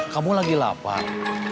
kamu lagi lapar